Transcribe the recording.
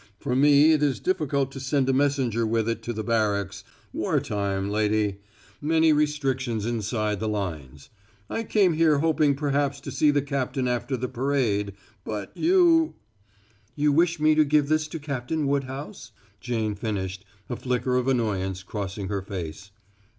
For me it is difficult to send a messenger with it to the barracks war time, lady many restrictions inside the lines. I came here hoping perhaps to see the captain after the parade. But you " "You wish me to give this to Captain Woodhouse?" Jane finished, a flicker of annoyance crossing her face.